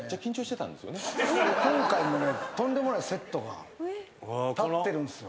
今回もねとんでもないセットが立ってるんですよ。